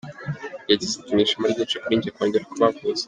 Yagize ati “Ni ishema ryinshi kuri njye kongera kubahuza.